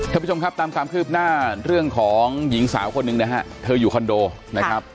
ท่านผู้ชมครับตามความคืบหน้าเรื่องของหญิงสาวคนหนึ่งนะฮะเธออยู่คอนโดนะครับ